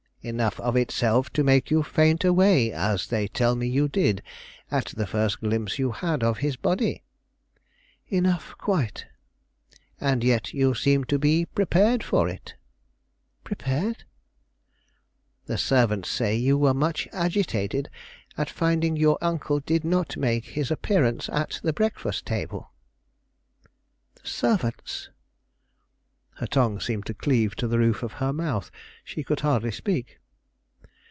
"Enough of itself to make you faint away, as they tell me you did, at the first glimpse you had of his body?" "Enough, quite." "And yet you seemed to be prepared for it?" "Prepared?" "The servants say you were much agitated at finding your uncle did not make his appearance at the breakfast table." "The servants!" her tongue seemed to cleave to the roof of her mouth; she could hardly speak.